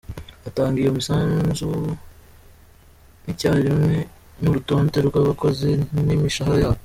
Atanga iyo misanzu icyarimwe n’urutonde rw’abakozi n’imishahara yabo.